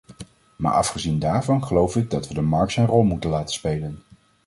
Maar afgezien daarvan geloof ik dat we de markt zijn rol moeten laten spelen.